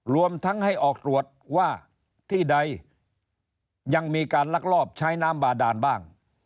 รวมทั้งให้ออกตรวจว่าที่ใดยังมีการลักลอบใช้น้ำบาดานบ้าง